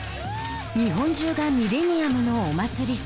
日本中がミレニアムのお祭り騒ぎ。